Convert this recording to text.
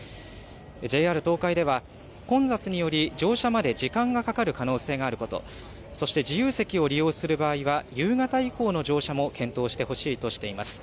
ＪＲ東海では、混雑により乗車まで時間がかかる可能性があること、そして自由席を利用する場合は、夕方以降の乗車も検討してほしいとしています。